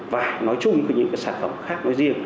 và nói chung với những cái sản phẩm khác nói riêng